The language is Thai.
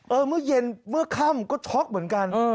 เมื่อเย็นเมื่อค่ำก็ช็อกเหมือนกัน